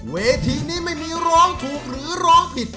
เวทีนี้ไม่มีร้องถูกหรือร้องผิด